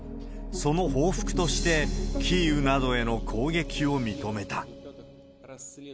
その報復として、キーウなどへの攻撃を認めた。